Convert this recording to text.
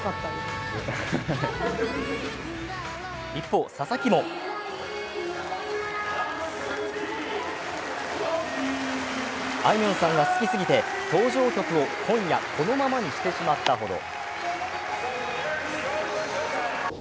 一方、佐々木もあいみょんさんが好きすぎて登場曲を「今夜このまま」にしてしまったほど。